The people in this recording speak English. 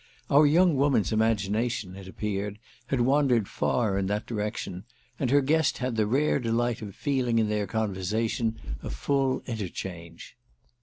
Our young woman's imagination, it appeared, had wandered far in that direction, and her guest had the rare delight of feeling in their conversation a full interchange.